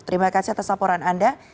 terima kasih atas laporan anda